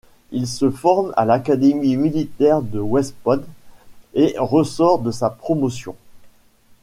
Il se forme à l'Académie militaire de West Point et ressort de sa promotion.